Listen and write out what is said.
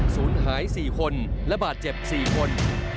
ศูนย์หาย๔คนและบาดเจ็บ๔คน